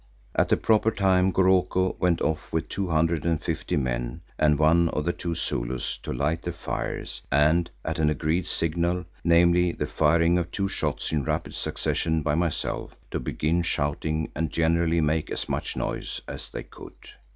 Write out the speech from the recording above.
At the proper time Goroko went off with two hundred and fifty men and one of the two Zulus to light the fires and, at an agreed signal, namely the firing of two shots in rapid succession by myself, to begin shouting and generally make as much noise as they could.